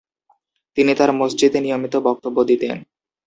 তিনি তার মসজিদে নিয়মিত বক্তব্য দিতেন।